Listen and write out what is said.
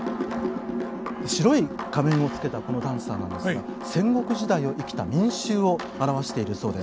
白い仮面をつけたこのダンサーなんですが戦国時代を生きた民衆を表しているそうです。